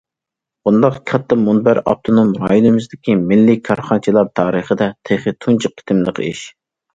بۇنداق كاتتا مۇنبەر ئاپتونوم رايونىمىزدىكى مىللىي كارخانىچىلار تارىخىدا تېخى تۇنجى قېتىملىق ئىش.